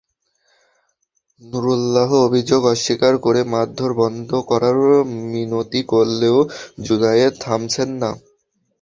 নুরুল্লাহ অভিযোগ অস্বীকার করে মারধর বন্ধ করার মিনতি করলেও জুনায়েদ থামছেন না।